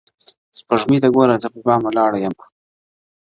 سپوږمۍ ته گوره زه پر بام ولاړه يمه.